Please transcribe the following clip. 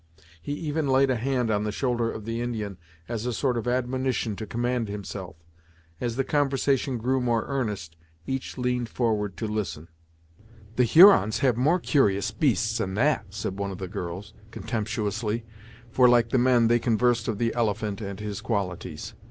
He even laid a hand on the shoulder of the Indian, as a sort of admonition to command himself. As the conversation grew more earnest, each leaned forward to listen. "The Hurons have more curious beasts than that," said one of the girls, contemptuously, for, like the men, they conversed of the elephant and his qualities.